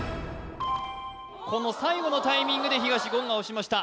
この最後のタイミングで東言が押しました